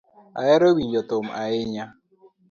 Ihero winjo thum ahinya.